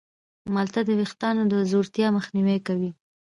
مالټه د ویښتانو د ځوړتیا مخنیوی کوي.